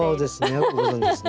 よくご存じですね。